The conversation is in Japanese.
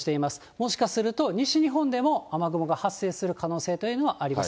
もしかすると、西日本でも雨雲が発生する可能性というのはあります。